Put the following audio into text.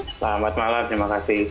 selamat malam terima kasih